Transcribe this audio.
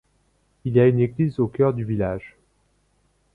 Il y a une église au cœur du village.